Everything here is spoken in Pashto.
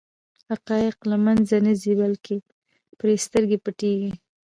حقایق له منځه نه ځي بلکې پرې سترګې پټېږي.